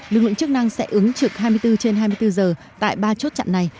lực lượng chức năng sẽ ứng trực hai mươi bốn trên hai mươi bốn giờ tại ba chốt chặn này